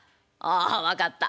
「ああ分かった。